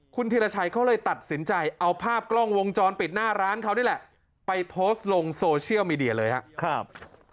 คุณธีรชัยเขาเลยตัดสินใจเอาภาพกล้องวงจรปิดหน้าร้านเขานี่แหละไปโพสต์ลงโซเชียลมีเดียเลยครับ